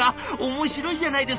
面白いじゃないですか！